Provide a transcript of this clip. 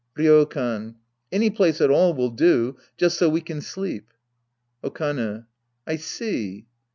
Ryokan. Any place at all will do, just so we can sleep. Okane. I see.